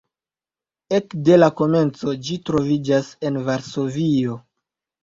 Ekde la komenco ĝi troviĝas en Varsovio.